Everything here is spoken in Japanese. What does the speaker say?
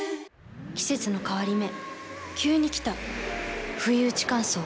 季節の変わり目急に来たふいうち乾燥。